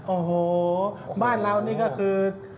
โอ้โหบ้านเรานี่ก็คือ